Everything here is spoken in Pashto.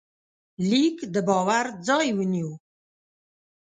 لیک د باور ځای ونیو.